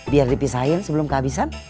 biar dipisahin sebelum kehabisan